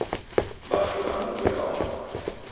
Mbashu ra mudi raoma